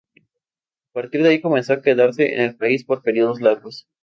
A partir de ahí comenzó a quedarse en el país por períodos largos.